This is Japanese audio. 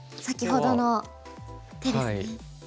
先ほどの手ですね。